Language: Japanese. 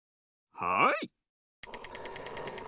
はい。